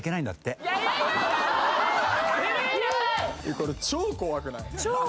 これ超怖くない？